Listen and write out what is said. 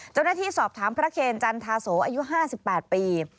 เจ้าหน้าที่สอบถามพระเคนจันทาโสอายุ๕๘ปี